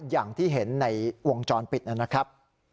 อย่างที่เห็นในวงจรปิดนะครับ